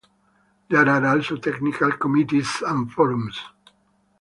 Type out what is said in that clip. There are also technical committees and forums.